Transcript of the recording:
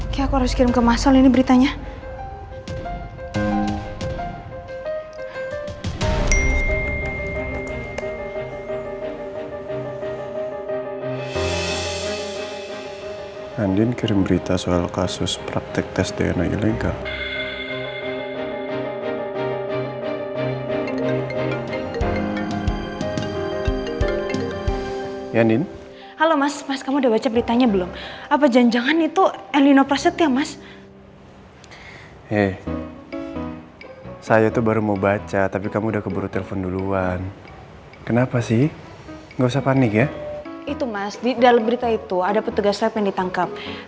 karena saya benar benar cinta dengan elsa